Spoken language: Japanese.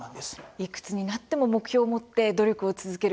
いくつになっても目標を持って努力を続ける。